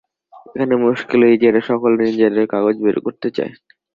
এখানে মুশকিল এই যে, এরা সকলেই নিজেদের কাগজ বের করতে চায়।